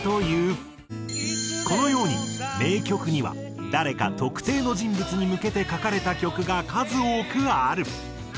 このように名曲には誰か特定の人物に向けて書かれた曲が数多くある。